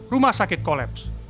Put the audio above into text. rumah sakit kolaps